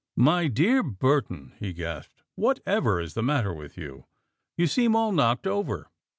"My dear Burton," he gasped, "whatever is the matter with you? You seem all knocked over."